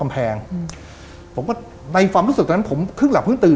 ผมคลึงหลับซึ่งตื่น